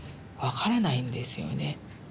わからないんですよね。